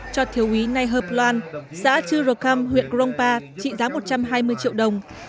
cho thiếu quý nai hợp loan xã chư rồ căm huyện krongpa trị giá một trăm hai mươi triệu đồng